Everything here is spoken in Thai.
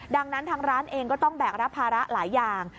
ดังนั้นทางร้านเองก็ต้องแบกรับภาระหลายอย่าง